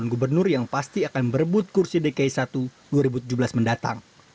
gubernur yang pasti akan berebut kursi dki satu dua ribu tujuh belas mendatang